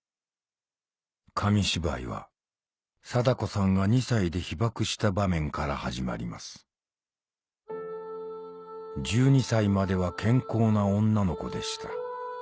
紙芝居は禎子さんが２歳で被爆した場面から始まります「１２歳までは健康な女の子でした」